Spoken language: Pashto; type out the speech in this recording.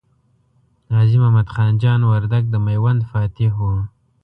غازي محمد جان خان وردګ د میوند فاتح و.